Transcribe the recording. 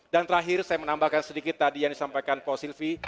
dan terakhir saya menambahkan sedikit tadi yang disampaikan pak silvi